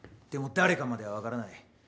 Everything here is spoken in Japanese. でも誰かまでは分からない。